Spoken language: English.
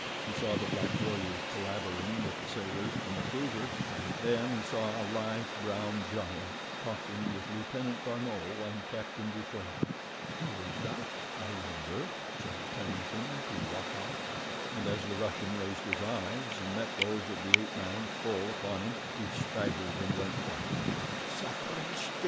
He saw the black warriors palavering with the sailors from the cruiser, and then he saw a lithe, brown giant talking with Lieutenant D'Arnot and Captain Dufranne. "Who is that, I wonder," said Tennington to Rokoff, and as the Russian raised his eyes and met those of the ape man full upon him, he staggered and went white. "_Sapristi!